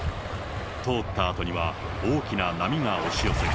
通ったあとには大きな波が押し寄せる。